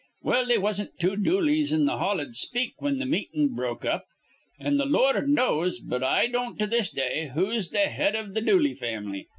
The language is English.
"Well, they wasn't two Dooleys in th' hall'd speak whin th' meetin' broke up; an' th' Lord knows, but I don't to this day, who's th' head iv th' Dooley fam'ly.